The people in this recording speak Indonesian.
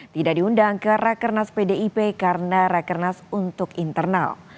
tidak diundang ke rakernas pdip karena rakernas untuk internal